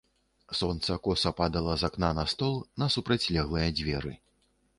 Сонца коса падала з акна на стол, на супрацьлеглыя дзверы.